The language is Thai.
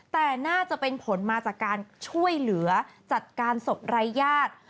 แต่น่าจะเป็นผลมาจากการช่วยเหลือจัดการศพไร้ญาติ